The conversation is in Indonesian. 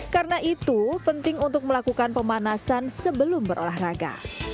karena itu penting untuk melakukan pemanasan sebelum berolahraga